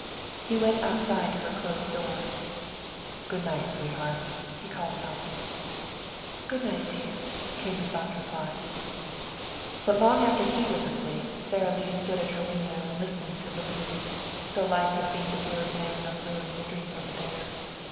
He went outside to her closed door. "Good night, sweetheart," he called softly. "Good night, dear," came her soft reply. But long after he was asleep Sara Lee stood at her window and listened to the leaves, so like the feet of weary men on the ruined street over there.